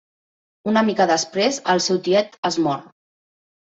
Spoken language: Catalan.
Una mica després el seu tiet es mor.